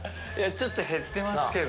ちょっと減ってますけど。